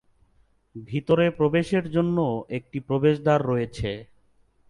ভিতরে প্রবেশের জন্য একটি প্রবেশদ্বার রয়েছে।